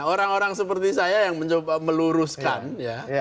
orang orang seperti saya yang mencoba meluruskan ya